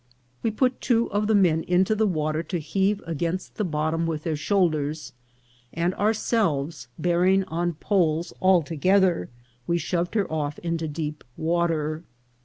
We put two of the men into the water to heave against the bottom with their shoulders, and ourselves bearing on poles all together, we shoved her off into deep water.